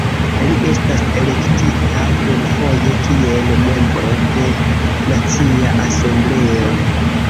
Li estas elektita plurfoje kiel Membro de Nacia Asembleo.